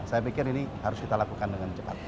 saya pikir ini harus kita lakukan dengan cepat